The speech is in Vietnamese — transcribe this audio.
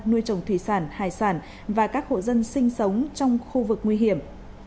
nuôi trồng thủy sản hải sản và các hộ dân sinh sống trong khu vực nguy hiểm